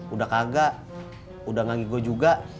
udah kagak udah ngagi gua juga